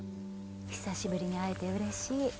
久しぶりに会えてうれしい。